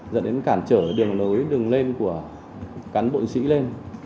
dẫn đến cản trở đường lối đường lên của cán bộ sĩ lên